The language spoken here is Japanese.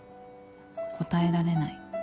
答えられない。